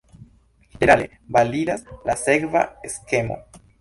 Ĝenerale validas la sekva skemo.